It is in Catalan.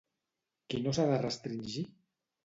Qui no s'ha de restringir?